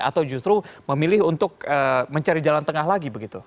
atau justru memilih untuk mencari jalan tengah lagi begitu